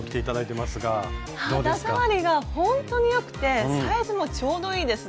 肌触りがほんとによくてサイズもちょうどいいです。